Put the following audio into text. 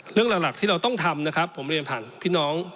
เรื่องหลักที่เราต้องทำนะครับผมเรียนผ่านพี่น้อง